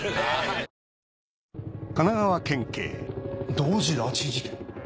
同時拉致事件？